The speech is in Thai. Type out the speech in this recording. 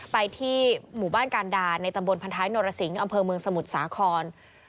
ไปที่หมู่บ้านการดาในตำบลพันท้ายนรสิงห์อำเภอเมืองสมุทรสาคร